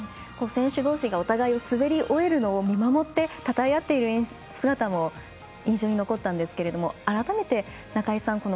選手同士がお互いに滑り終えるのを見守って、たたえ合っている姿も印象に残ったんですが改めて、中井さん